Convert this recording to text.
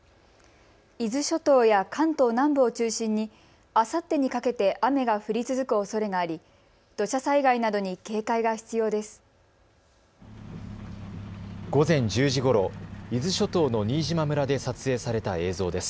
伊豆諸島や関東南部を中心にあさってにかけて雨が降り続くおそれがあり土砂災害などに警戒が必要です。